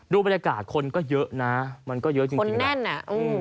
บรรยากาศคนก็เยอะนะมันก็เยอะจริงคนแน่นอ่ะ